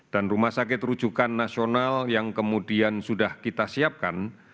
dan rumah sakit rujukan nasional yang kemudian sudah kita siapkan